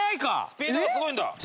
スピードがすごいんだ。